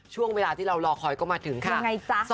ช่วงเวลาที่เรารอคอยก็มาถึงค่ะยังไงจ๊ะ